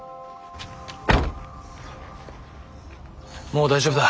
もう大丈夫だ。